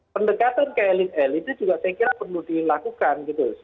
pendekatan ke elit elit itu juga saya kira perlu dilakukan gitu